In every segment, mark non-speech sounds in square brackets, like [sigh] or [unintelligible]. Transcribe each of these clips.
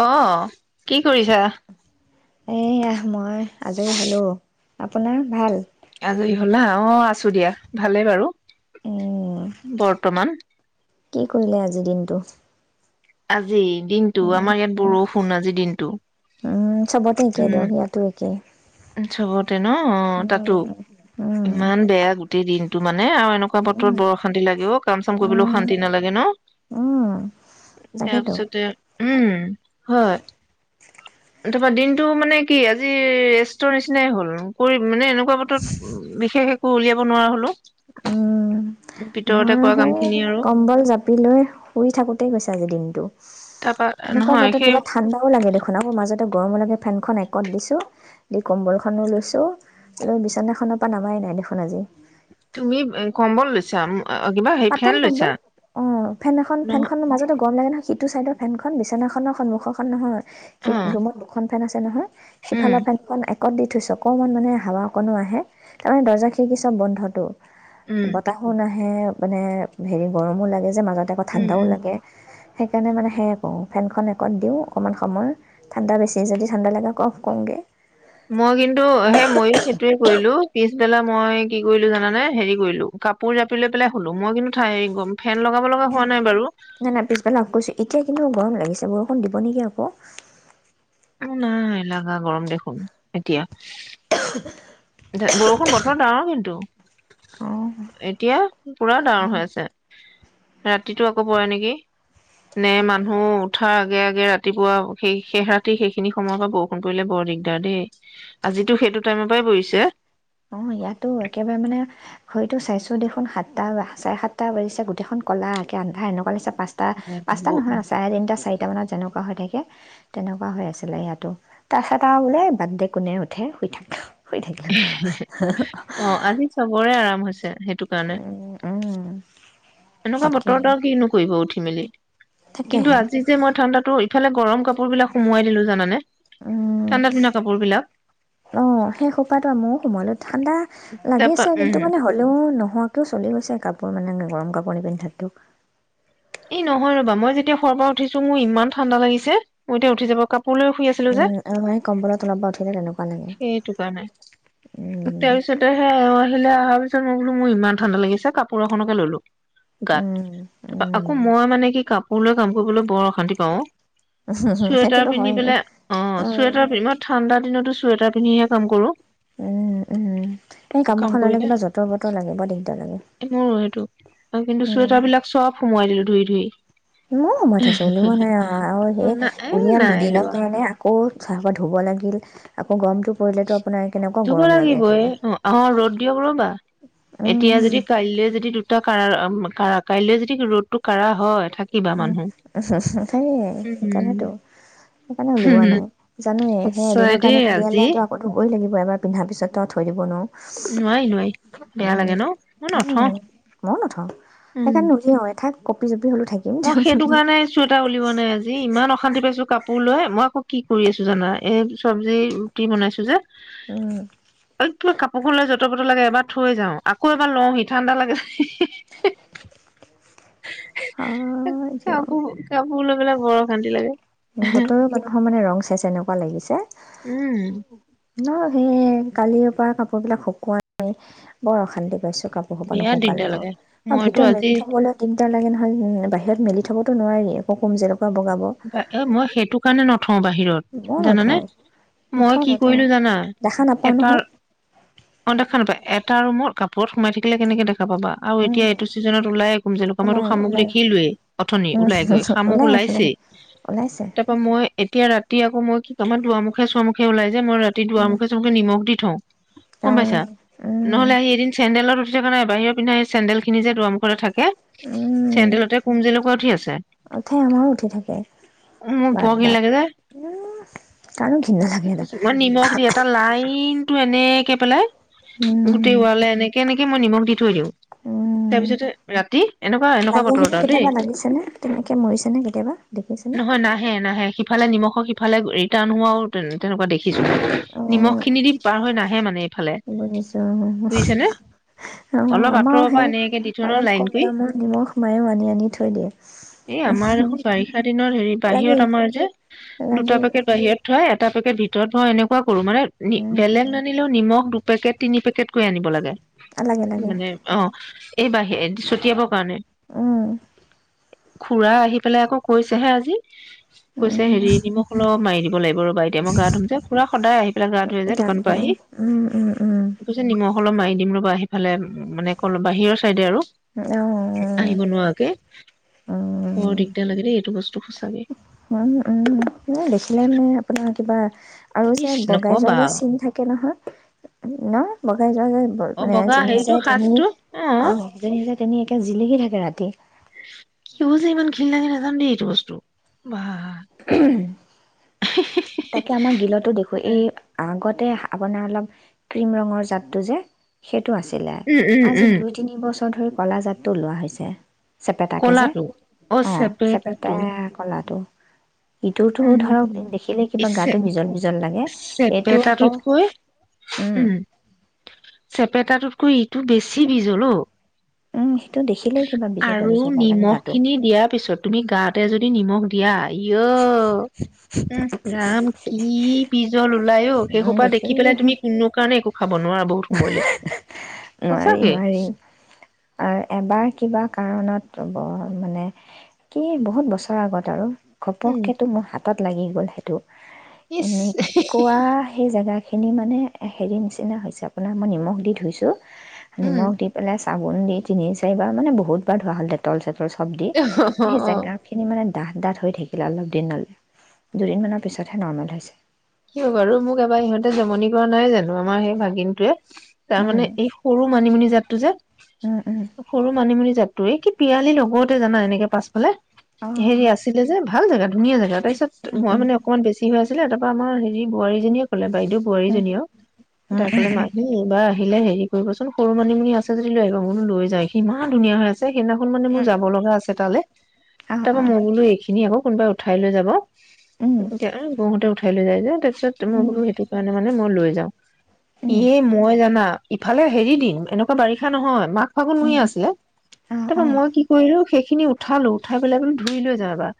অ' কি কৰিছা? এয়া মই আজৰী হলো আপোনাৰ ভাল? আজৰী হলা। অ আছু দিয়া ভালে বাৰু। ওমম বৰ্তমান। কি কৰিলা আজি দিনটো? আজি দিনটো, আমাৰ ইয়াত বৰষুণ আজি দিনটো। উম, চবতে একেই উম, দিয়ক ইয়াতো একেই। চবতে ন? অ', তাতো, ইমান বেয়া গোতেই দিন এনেকুৱা বতৰত বৰ অশান্তি লাগে ও কাম চাম কৰিবলৈ উম, অশান্তি নালাগে ন? উম, তাৰ তাকেতো। পিছতে ওম উম, হয়। তাপ দিনটো মানে কি আজি ৰেট্টৰ নিচিনা হ'ল মানে এনেকুৱা বতৰত বিশেষ ওলিয়াব নোৱাৰা হ'লো। উম ভিতৰতে মই কৰা কাম সেয়েই খিনি আৰু। কম্বল জাপি লৈ শুই থাকোঁতে গৈছে আজি দিনটো তাৰপা এনেকুৱা নহয় বতৰত সেই কিবা ঠান্ডাও লাগে দেখোন আৰু মাজত গৰমো লাগে। ফেনখন একত দিছো, দি কম্বলখনো লৈছো [unintelligible] বিছনাখনৰ পৰা নামাই নাই দেখোন আজি। তুমি এ কম্বল লৈছা ওম পাতল কম্বল অ ফেন এখন নহ ফেনখন মাজতে গৰম লাগে না সিতু চাইদত, ফেনখন বিচনাখনৰ সন্মূখনৰখন নহয়। এ অ ৰুমত দুখন ফেন আছে নহয়, সিফালৰ উম ফেনখন এক কতদি থৈছোঁ অকণমান মানে হাৱাঅকন আহে অ দৰ উম বতাহো নাহে সেও মানে হেৰী গৰমও লাগে যে মাজতে আকৌ উম ঠাণ্ডাও উম লাগে, আৰু সেকাৰনে মানে সেয়ে কও ফেনখন একত দিও অকমান সময় ঠাণ্ডা বেছি হয় যদি ঠাণ্ডা লাগে কও মই কিন্তু হে মই সেইতুৱে কৰিলো পিছবেলা মই কি কৰিলোঁ জানানে? হেৰি কৰিলোঁ কাপোৰ জাপি লৈ পেলায় শুলোঁ, মই কিন্তু ঠাই গম ফেন লগাব লগা হোৱা নাই বাৰু নাই, নাই পিছবেলা অফ কৰিছোঁ, এতিয়া কিন্তু গৰম লাগি বৰষুণ দিব নেকি আকৌ। নাই লাগা গৰম দেখোন এতিয়া। বৰষুণ বতৰ ডাৱৰ কিন্তু। অঁ এতিয়া পুৰা ডাৱৰ হৈ আছে। ৰাতিটো আকৌ পৰে নেকি নে, মানুহ উঠাৰ আগে, আগে ৰাতিপুৱা শেষ, শেষ ৰাতি সেইখিনি সময় পৰা বৰষুণ পৰিলে বৰ দিগদাৰ দেই, আজিটো সেইটো টাইমৰ পৰাই পৰিছে এ অ', ইয়াতো একেবাৰে মানে ঘড়ীটো চাইছোঁ দেখোন সাতটা, চাৰে সাতটা বাজিছে গোটেইখন ক'লা একে আন্ধাৰ এনেকুৱা লাগিছে পাঁচটা, পাঁচটাত নহয় অ আৰু চাৰে তিনটা, চাৰি যেনেকুৱা হৈ থাকে তেনেকুৱা হৈ আছিলে, ইয়াতো তাছত আৰু বোলে কোনো উঠে বাদ দে কোনে উঠে, শুই থাক শুই থাকিলোঁ। অ' আজি চবৰে আৰাম। হৈছে সেইটো। সেইটো কাৰণে এনেকুৱা তাকে বতৰত আৰু কিনো কৰিবও উঠি। ইমিলি কিন্তু তাকেহে আজি যে মই ঠাণ্ডাটো ইফালে গৰম কাপোৰবিলাক সোমুৱাই দিলোঁ জানানে। উম, ঠাণ্ডা দিনা কাপোৰ বিলাক অ', সেই সোপা এটা ময়ো শুমালো। ঠাণ্ডা তাৰপা লাগিছে কিন্তু উম মানে হ'লেও নোহোৱাকেও চলি গৈছে কাপোৰ মানে। গৰম কাপোৰ নিপিন্ধাকেও এই নহয় ৰ'বা, মই যেতিয়া শুৱাৰ পৰা উঠিছো মোৰ ইমান ঠাণ্ডা লাগিছে, মোৰ এতিয়া উঠি যাব কাপ শুই আছিল উম আৰু মানে কম্বলৰ তলৰ পৰা উঠিলে তেনেকুৱা লাগে সেইতু কাৰণে উম তাৰ পিছতে এও আহিলে, তাৰ পিছত মই বোলো মোৰ ইমান ঠাণ্ডা গাত উম [inaudible] আকৌ উম মই মানে কি কাপ হলেও কাম কৰিবলৈ বৰ অশান্তি পাওঁ অ '। শ্বেতাৰ সেইটোতো হয় পিন্ধি পেলে অ, স্বেতা পিন মই ঠাণ্ডা দিনটো স্বেতাৰ পিন্ধি হে কাম কৰোঁ। উম, উম কিন্তু কাপোৰ ললে কৰিলে কিবা জতৰ পতৰ লাগে। মোৰো সেইটো কিন্তু শ্বেতাৰ বিলাক সব সোমাই দিলোঁ। ধুই ধুই মৌ সোমাই থৈছোঁ ওলোৱা নাই আৰু হেই না এ উলিয়াম নাই দুদিনৰ এলিওৱা কাৰণে আকৌ [unintelligible] ধুব লাগিল। আকৌ গৰম পৰিলেটো আপোনাৰ কেনেকুৱা ধুব গৰম লাগে লাগিবই [unintelligible] অ অ ৰ'দ দিয়ক ৰবা এতিয়া যদি কাইলে যদি দুটা কাৰা [unintelligible] কাৰা কাইলে যদি ৰ'দটো কাৰা হয়। থাকিবা উম, মানুহ হু হু, সেয়াই উম সেইকৰণেটো সেইকাৰণে উলিওৱা নাই জানোয়ে সেই সঁচাই এদিনৰ দেই কাৰণে আজি উলিয়ালেটো, ধুবই লাগিব এবাৰ পিন্ধাৰ পিছত, তেওঁ থৈ দিব নোৱাৰোঁ। নোৱাৰি নোৱাৰি বেয়া লাগে ন, মই উম, নথও। কপি জপি হলেও থা মই সেইটো কাৰণে শ্বেতা ওলোৱা নাই আজি, ইমান অশান্তি পাইছোঁ কাপোৰ লৈ। মই আকৌ কি কৰি আছোঁ জানা, এই চবজি ৰুটি বনাইছোঁ যে উম! কাপোৰ বোৰলৈ যতৰ পটৰ লাগে এবাৰ থই জাও আকৌ এবাৰ লও হি ঠাণ্ডা লাগে [unintelligible] অ হয় দিয়ক। কাপোৰ কাপোৰ বোৰ লৈ বৰ অশান্তি লাগে। বতৰৰ কথা মানে ৰং চাইছে এনেকুৱা লাগিছে। উম ন সেই কালিৰ পৰা কাপোৰবোৰ সুকুৱা নাই বৰ অশান্তি পাইছোঁ। [inaudible] বিৰাট দিগদাৰ লাগে মইতো আজি [unintelligible] লাগে নহয় বাহিৰত মেলি থবতো নোৱাৰি, আক কুমজে বা এ মই সেই ত [unintelligible] থও বাহিৰত জানানে নথওঁ মই নথওঁ কি নথওঁ কৰিলোঁ জানা দেখা নাপাওঁ এটাৰ নহয় অ দেখা নাপায় এটা ৰুমৰ কাপোৰত সোমাই থাকিলে কেনেকে দে দেখা পাবা আৰু এতিয়া উম এইটো ছিজিনত ওলাই ওলাই [unintelligible] শামুক ওলাই দেখেলোৱে অথনি উম ওলাই গৈ শামুক ওলাই ওলাই ওলাইছে। ওলাইছে তাৰ পৰা মই এতিয়া ৰাতি আক মই, দুৱাৰ মুখে ছুয়াৰ মুখে ওলাই। মই ৰাতি দুৱাৰ উম মুখে ছুৱাৰ মুখে নিমখ দি থোও গম তেওঁ পাইছা উম নহ'লে আহি এদিন চেন্দেল, [unintelligible] বাহিৰৰ পিনে চেন্দেল খিনি যে দুৱাৰ মুখত থাকে কি উম চেন্দেলতে কুঞ্জি [unintelligible] উঠি আছে। উঠে আমাৰো উঠি থাকে উম, বৰ ঘিণ বাৰান্দাত লাগে যে, কাৰো ঘিণ নালাগে নিমখ দি তাক। এটা লাইন কিন্তু এনেকে পেলায় গোটেই উম, ওৱালে এনেকে এনে এ মই নিমখ দি থৈ দিও! উম এনেকুৱা এনেকুৱা লাগে বতৰত যদি আৰু দেই লাগিছেনে তেনেকে মৰিছেনে কেতিয়াবা দেখিছেনে? নহয় নাহে নাহে, সিফালে নিমখৰ সিফালে ৰিতৰাণ হোৱাও তেনেকে দে [inaudible] নিমখ খিনি দি পাৰ হৈ! [unintelligible] [inaudible] আমাৰ সেই বুজিছেনে অলপ আঁতৰৰ পৰা এনেকে দি থওঁ ন অলপ লাইন কম কৰি দামৰ নিমখ মায়েও আনি আনি থৈ এই আমাৰ দেখোন দিয়ে। বাৰিষা দিনত হেৰি লাগে বাহিৰত আমাৰ যে দুটা লাগে পেকেট বাহিৰত থৈ তাৰ [unintelligible] ভিতৰত ভৰাই এনেকুৱা! কৰো মানে উম, বেলেগ নানিলেও নিমখ দু পেকেট তিনি পেকেট কৈ আনিব লাগে। লাগে লাগে মানে অ বাহিৰেদি [unintelligible] ছতিৱাব উম! খুৰা আহি পেলায় আকৌ! কৈছে হে আজি! কৈছে উম। হেৰি নিমখ অলপ মাৰি দিব লাগিব ৰবা এতিয়া মই গা ধুম যে পুৰা সদায় গা ধুৱে যে দুকানৰ পৰা গাভৰু আহি। উম, উম, উম, কৈছে নিমখ অলপ মাৰি দিম ৰ'বা, সেইফালে উম, মানে [unintelligible] বাহিৰৰ চাইডে আৰু। অ', আহিব নোৱৰাকে, বৰ উম। দিগদাৰ লাগে। দেই এইটো বস্ত সঁচাকে উম, উম, এনে দেখিলে মানে অপোনাৰ কিবা। ইচ নকবা [unintelligible] [unintelligible] আৰু চিন থাকে নহয়! নাই ঘৰতে যাৰ যাৰ অ ঘৰত মানে বগা যেনি হেৰিটো যায়, তেনি সাজটো অ' যেনি যায় তেনি একে জিলিকি থাকে ৰাতি। কিয় যে ইমান ঘীণ লাগা [unintelligible] এইটো বস্তু, ৱাহ! তাকে আমাৰ গিলতো দেখো এই উম আগতে আপোনাৰ অলপ ক্ৰীম ৰঙৰ জাত টো যে [unintelligible] এইটো আছিলে উম আজি উম দুই তিনি বছৰ [unintelligible] কলা জাত টো লোৱা হৈছে চেপেটা কে যে, কলাটো অ ও চেপেটাটো চেপেটা কলা টো ইটো টো ও ধৰক দেখিলে কিবা গাটো বীজল বীজল চেপেটা টোত কৈ উম চেপেটা টোত [unintelligible] ইটো বেছি বীজল ও [unintelligible] কিবা বিজলা আৰু বিজলা লাগে নিমখ গাটো খিনি দিয়া পিছত তুমি গাতে যদি নিমখ [unintelligible] ইও উহ ৰাম কি [unintelligible] নাই ও সেইসোপা দেখি পেলাই তুমি কুনু কাৰণে একো খাব নোৱাৰা বহুত সময়লে [unintelligible] নোৱাৰি সঁচাকে নোৱাৰি, আৰ এবাৰ কিবা কাৰণত [unintelligible] মানে কি বহুত বছৰৰ আগত আৰু উম ঘপককে তু [unintelligible] তাত লাগি গল সেটু [unintelligible] ইচ এনেককুৱা সেই জাগা এইখিনি মানে হেৰি নিচিনা [unintelligible] আপুনাৰ মই নিমখ দি ধুইছোঁ উম নিমখ দি পেলাই - - - চাবোন দি তিনি চাৰিবাৰ মানে বহুত বাৰ ধোৱা হল ডেটল চেতল চব দি অ সেই অ জেগা খিনি মানে ডাঠ ডাঠ হৈ থাকিলে অলপ দিনলে, দুদিনমানৰ পিছতহে নৰ্মেল হৈছে। কিয় বাৰু? মোক এবাৰ ইহঁতে জমনি কৰা নাই জানো আমাৰ সেই ভাগিনটোৱে। তাৰমানে অঁ এই সৰু মানিমুনি জাতটো যে, সৰু মানিমুনি জাত [unintelligible] নহওতেই জানা পাছফালে অঁ হেৰী আছিলে যে, ভাল জাগা ধুনীয়া জাগা তাৰপিছত মই মানে অকণমান বেছি হৈ দিলে তৎক্ষ আমাৰ হেৰী বোৱাৰীজনীয়ে ক'লে বাইদেউ বোৱাৰীজনী অ তাই ক'লে মাহী ইবাৰ আহিলে হেৰী কৰিব চোন সৰু মানিমুনি আছে যদি লৈ আহিব বুনু লৈ যায় কিমান ধুনীয়া হৈ আছে আছে সিদিনাখন মানে মোৰ যাব লগা আছে তালে তাৰপাৰ মই বোলোঁ এইখিনি আকৌ কোনোবাই উঠাই লৈ যাব। নতুনকে অহ' বৌহতে উঠা হেৰী লৈ যায় যে তাৰ পাছত মই বোলোঁ সিটো কাৰণে মানে মই লৈ যাওঁ। এইয়ে মই জানা ইফালে হেৰী দিন এনেকুৱা বাৰিষা নহয় মা ফাগুন মহীয়া আছিলে তাৰপৰা মই কি কৰিলোঁ সেই খিনি উঠালোঁ, উঠাই পেলাই মানে ধুই লৈ যাওঁ এবাৰ।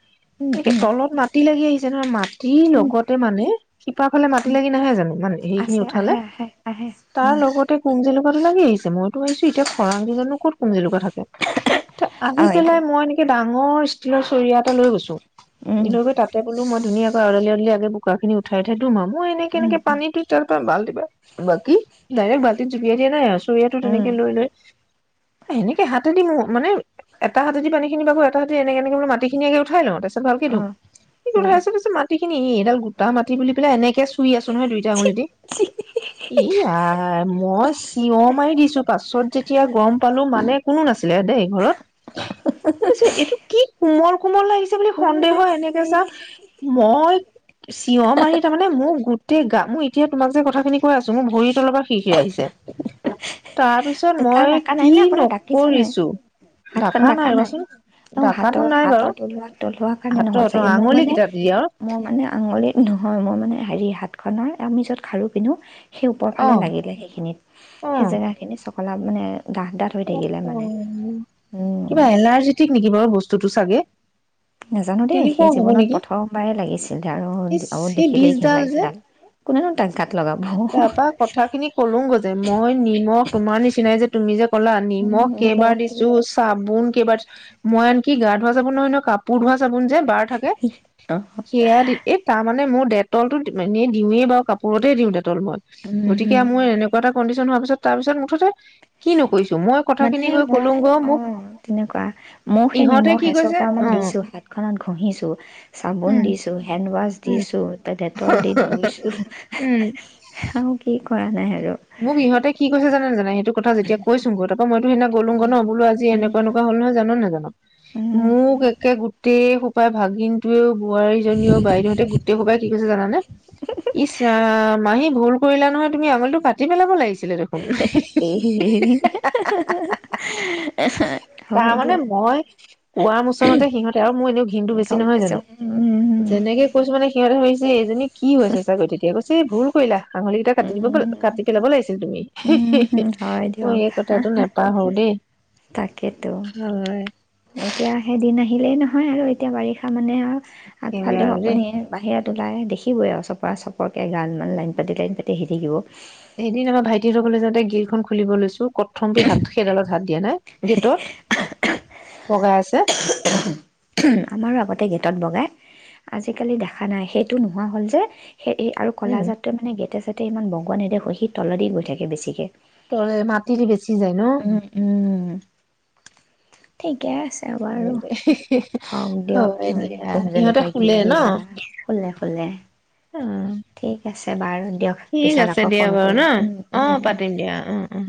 এ কে অঁ তলত মাটি লাগি আহি ট্ৰেনৰ মাত দিৰ অঁ লগত তোৰ মানে শিপাৰ ফালে মাটি উম লাগি নাহে জানোঁ মানে হেৰীখিনি আছে উঠালে আহে আহে আহে তাৰ উম লগতে কোন লাগি আহিছে মইতো ভাবিছোঁ, এতিয়া খৰাং দিনতনো ক'ত কোনজলকীয় থাকে তে অ আহি পেলাই দিয়ক মই এনেকে ডাঙৰ ষ্টীলৰ চৰিয়া এটা লৈ গৈছোঁ। উম এনেও গৈ তাতে বোলোঁ মই ধুনীয়াকৈ আদালি আদালি আগে বুক কৰাখিনি উঠাই উঠাই তোৰ মই এনেকে উম এনেকে পানীটো তাৰ পৰা বাল্টি বা বাকি দাইৰেক্ত বালটিত জুবিয়াই দিয়া নাই আৰু চৰিয়াটো উম তেনেকে উম লৈ লৈ সেনেকে হাতেদি মো-মানে, এটা হাতেদি পানীখিনি বাকো, এটা হাতেদি এনেকে এনেকে মানে মাটিখিনি মানে উঠাই লওঁ, তাৰপিছত অ [unintelligible] [unintelligible] এ-এইডাল গোট তাৰ মাটি বুলি পেলাই এনেকে চো চুই আছো নহয় দুইটা আঙুলিদি। ই আই, মই চিঞৰ মাৰি দিছোঁ। পাছত যেতিয়া গম পালোঁ মানে, কোনো নাছিলে দেই ঘৰত। তাৰপিছত, এইটো কি কোমল কোমল লাগিছে বুলি উম সন্দেহ হৈ এনেকে চাওঁ, মই চিঞৰ মাৰি তাৰ মানে মোৰ গোট গোটেই গা, মোৰ এতিয়া তোমাক যে কথাখিনি কৈ আছোঁ, মোৰ ভৰিৰ তলৰ পৰা সিৰসিৰাই আহিছে। তাৰ পিছত কাৰণ মই, ডাকা নাই কি নে আপোনাৰ ডাকিছা নাই নকৰিছোঁ। হাতখন দাকা ডাকা নাই ৰ'বাচোন, অ হাতৰ দাকাটো নাই বাৰু। হাতৰ তলুৱা তলুৱা কাৰণে হাতত অ', আঙুলিকেইটাতেই আৰু। আঙুলি, নহয়, মোৰ মানে হেৰি হাতখনৰ, আমি য'ত খাৰু পিন্ধো সেই অ ওপৰফালে লাগিলে সেইখিনিত, সেই জেগাখিনি চ [unintelligible] অঃ স, উম কিবা এলাৰ্জেটিক নেকি বাৰু বস্তুটো চাগে? নাজানো দেই, তেনেকুৱাও সেই হ'ব জীৱনত নেকি প্ৰথমবাৰেই লাগিছিলে আৰু, এই অ' সেই দেখিলেই ঘিণ লাগে সেইডাল। কোনেনো তাক যা তাৰপৰা কথাখিনি ক'লোগৈ যে, মই, নিম, তোমাৰ নিচিনাই যে তুমিযে ক'লা, নিমখ উম, কেইবাৰ দি দিছোঁ, চাবোন কেইবাৰ দি মই আনকি গা ধুৱা চাবোন নহয়-নহয়, কাপোৰ ধোৱা চা চাবোন যে, বাৰ থাকে, সেইয়াদি এ তাৰমানে মোৰ ডেটলটো এনে দিওঁৱে বাৰু, কাপোৰতেই দিওঁ দেখ [unintelligible] উম, গতিকে হম, মোৰ এনেকুৱা এটা কণ্ডিচন হোৱা পিছত তাৰপিছত মুঠতে, কিনো কৰিছো মই মানে কথাখিনি গৈ মই, কলোংগৈ মোক অ', তেনেকুৱা, মইও সেই ইহঁতে নিমখ কি কৈছে এচপৰামান অ দিছোঁ, হাতখনত ঘঁহিছো, চাবোন উম দিছোঁ, হেণ্ড ৱাছ উম দিছোঁ, ডে-ডেটল দি ধুইছোঁ, সে, সে, উম সে, আৰু কি ক'বা? [unintelligible] মোক ইহঁতে কি কৈছে জানানে নাজানা ইহঁতে? কথা যেতিয়া কৈছোঁংগৈ, তাৰ সেইদিনা গ'লোগৈ ন', বুলো আজি উম, এনেকুৱা তেনেকুৱা হ'ল নহয়, জানন নাজান? উম, মোক একে গোটেই সোপ পাই ভাগিনটোৱেও বোৱাৰীজনীয়েও, বাইদেউহঁতেও, গোটেইসোপায়ে কি কৈছে জানানে? ইচ ৰাম মাহী ভূল কৰিলা নহয়, তুমি আঙুলিটো কাটি কাটি পেলাব লাগিছিল। দিলে দেখোন, হেৰি তাৰ হয় মানে, দিয়ক মই কোৱা মোচনতে সিহঁতে আৰু মোৰ এনেও ঘিণতো বেছি গম নহয় পাইছো জানোঁ। উম, যেনেকৈ কৈছোঁ মানে সিহঁতে ভাবিছে কি, এইজনীক কি হৈছে চাগৈ, তেতিয়া কৈছে- এই ভুল কৰিলা। আঙুলি কিটা উম, কাটি দিব উম, কাটি পেলাব লাগিছিল তুমি, উম, উম হয় মই দিয়ক এই কথাটো নেপাহৰোঁ দেই। তাকেতো, হয় এতিয়া সেইদিন নাহিলে নহয় আৰু এতিয়া বাৰিষা মাহ নে, একেবাৰে আগফালেও আৰু দেই আপুনি বাহিৰত ওলাই দেখিবই আৰু চপৰা-চপৰকে এগালমান লাইন পাতি, লাইন পাতি আহি থাকিব। এদিন আমাৰ ভাইটিহঁতৰ ঘৰলৈ যাওঁতে, গে খন খুলিব লৈছোঁ কথমপি হাত-সেইডালত হাত দিয়া নাই, গেটত বগাই আছে [unintelligible] আমাৰো আগতে গেটত বগাই। আজিকালি দেখা নাই। সেইটো নোহোৱা হ'ল যে। সেই-এই আৰু ক'লা উম জাতটো মানে গেটে, চেট টে, ইমান বগুৱা নেদেখোঁ, সি তলেদি গৈ থাকে বেছিকে। তল, মাটি দি বেছি যায় ন? ঠিকেই তাৰপা আৰু হয় দে হওঁক দিয়ক হয়, দিয়া ইহঁতে কোমজেলেকুৱাই কি, শুলে কি ন জাল্লা, শুলে, শুলে। [unintelligible] ঠিক আছে, বাৰু ঠিক পিছত আছে, আকৌ দিয়া ফোন বাৰু কৰিম ন। উম উম অ', উম। পাতিম দিয়া, অ', উম।